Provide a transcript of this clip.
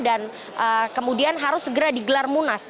dan kemudian harus segera digelar munas